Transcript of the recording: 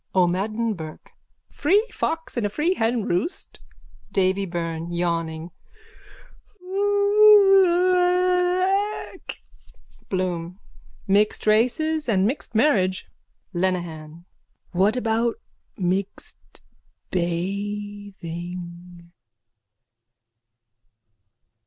O'MADDEN BURKE: Free fox in a free henroost. DAVY BYRNE: (Yawning.) Iiiiiiiiiaaaaaaach! BLOOM: Mixed races and mixed marriage. LENEHAN: What about mixed bathing?